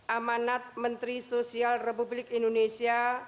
amanat menteri sosial republik indonesia